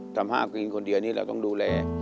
ทำข้าวกินคนเดียวนี่เราต้องดูแล